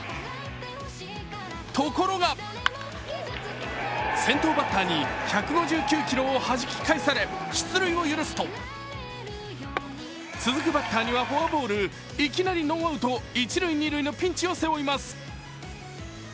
ところが、先頭バッターに１５９キロをはじき返され出塁を許すと続くバッターにはフォアボール、いきなりノーアウト一・二塁のピンチを背負います。